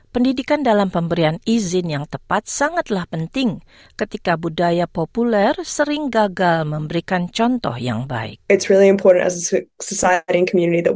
pendidikan dalam pemberian izin yang tepat sangatlah penting ketika budaya populer sering gagal memberikan contoh yang baik